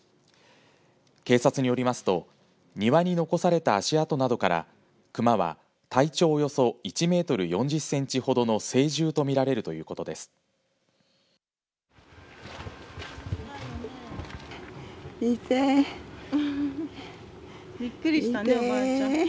警察によりますと庭に残された足跡などからクマは体長およそ１メートル４０センチほどの成獣と見られるということです。